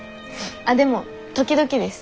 あっでも時々です。